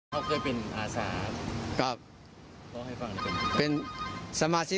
เขาเคยเป็นอาศาสตร์ครับผ่อให้ฟังได้เป็นอะไร